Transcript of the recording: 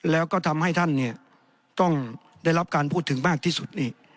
แล้วก็ทำให้ท่านเนี่ยต้องได้รับการพูดถึงมากที่สุดนี่